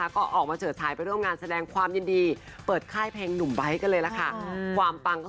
ก็ออกมีเรื่องที่ตอะ